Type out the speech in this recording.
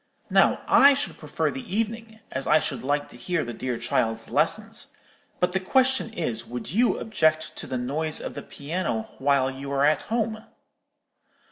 Now I should prefer the evening, as I should like to hear the dear child's lessons; but the question is, would you object to the noise of the piano while you are at home?'